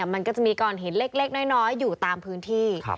มันก็จะมีก้อนหินเล็กน้อยอยู่ตามพื้นที่